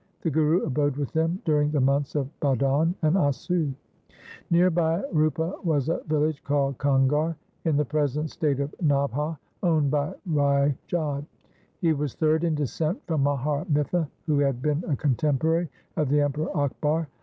The Guru abode with them during the months of Bhadon and Assu. Near Bhai Rupa was a village called Kangar in the present state of Nabha, owned by Rai Jodh. He was third in descent from Mahar Mitha, who had been a contemporary of the Emperor Akbar.